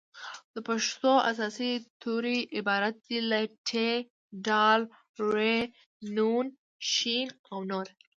د پښتو اساسي توري عبارت دي له : ټ ډ ړ ڼ ښ او نور